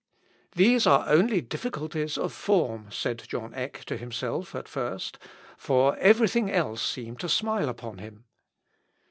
"These are only difficulties of form," said John Eck to himself at first, for every thing else seemed to smile upon him.